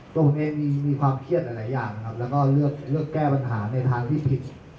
ตัวผมเองมีความเครียดหลายอย่างครับแล้วก็เลือกแก้ปัญหาในทางที่ผิด